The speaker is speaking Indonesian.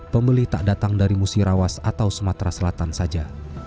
pembeli tak datang dari musirawas atau sumatera selatan saja